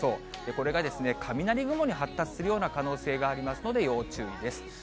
これが雷雲に発達するような可能性がありますので、要注意です。